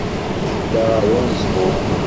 Tedda ɣer uneẓruf.